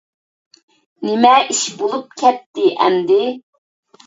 نېمە ئىش بولۇپ كەتتى ئەمدى!